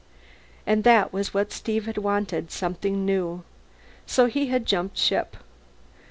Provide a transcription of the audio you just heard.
And that was what Steve had wanted: something new. So he had jumped ship.